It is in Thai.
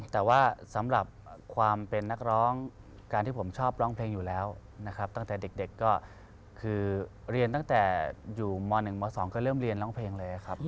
แต่ว่าสำหรับความเป็นนักร้องการที่ผมชอบร้องเพลงอยู่แล้วนะครับตั้งแต่เด็กก็คือเรียนตั้งแต่อยู่ม๑ม๒ก็เริ่มเรียนร้องเพลงเลยครับ